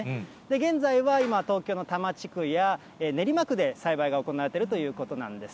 現在は今、東京の多摩地区や練馬区で栽培が行われているということなんです。